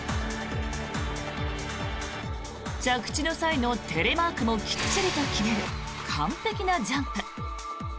着地の際のテレマークもきっちりと決める完璧なジャンプ。